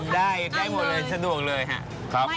ได้ทั้งคำเลยสะดวกเลยฮะครับ